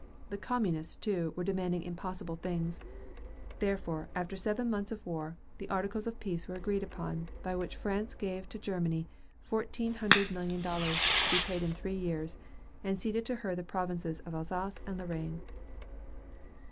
The Communists, too, were demanding impossible things. Therefore, after seven months of war, the articles of peace were agreed upon, by which France gave to Germany fourteen hundred million dollars, to be paid in three years, and ceded to her the provinces of Alsace and Lorraine.